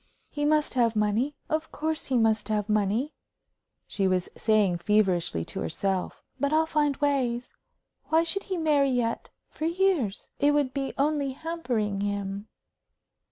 "He must have money of course he must have money," she was saying, feverishly, to herself. "But I'll find ways. Why should he marry yet for years? It would be only hampering him."